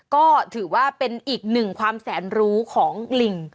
ก็ถือว่าเป็นอีกหนึ่งความแสนรู้ของลิง